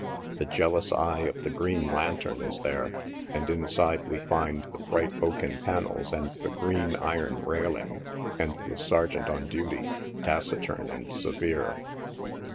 The jeal ous eye of the green lantern is there, and inside we find the bright oaken panels and the green iron railing, and the sergeant on duty, taciturn and severe.